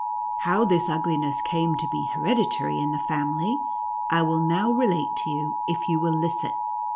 How this ugliness came to be hered itary in the family, I will now relate to you, if you will listen.